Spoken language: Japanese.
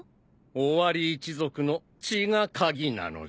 オワリ一族の血が鍵なのじゃ。